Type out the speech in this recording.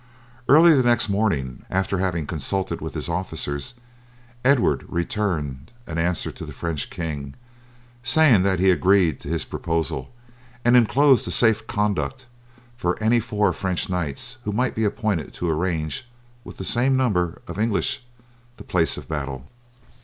Early the next morning, after having consulted with his officers, Edward returned an answer to the French king, saying that he agreed to his proposal, and enclosed a safe conduct for any four French knights who might be appointed to arrange with the same number of English the place of battle.